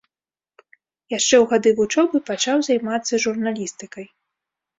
Яшчэ ў гады вучобы пачаў займацца журналістыкай.